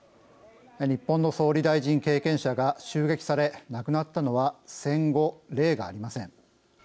日本の総理大臣経験者が襲撃され亡くなったのは戦後、例がありません。